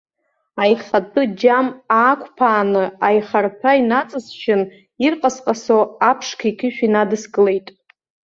Аихатәы џьам аақәԥааны, аихарҭәа инаҵысшьын, ирҟас-ҟасо, аԥшқа иқьышә инадыскылеит.